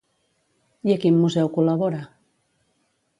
I a quin museu col·labora?